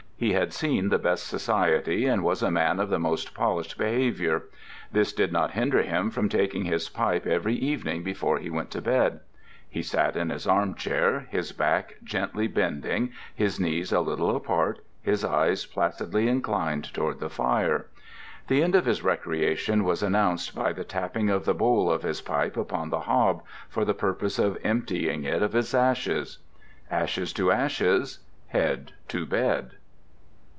He had seen the best society, and was a man of the most polished behaviour. This did not hinder him from taking his pipe every evening before he went to bed. He sat in his armchair, his back gently bending, his knees a little apart, his eyes placidly inclined toward the fire. The end of his recreation was announced by the tapping of the bowl of his pipe upon the hob, for the purpose of emptying it of its ashes. Ashes to ashes; head to bed.